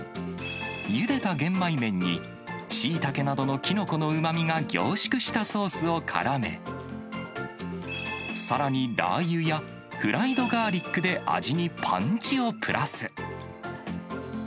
ゆでた玄米麺に、シイタケなどのキノコのうまみが凝縮したソースをからめ、さらに、ラー油やフライドガーリックで、味にパンチをプラス。